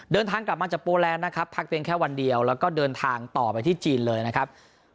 เดินทางกลับมาจากโปแลนด์นะครับพักเพียงแค่วันเดียวแล้วก็เดินทางต่อไปที่จีนเลยนะครับ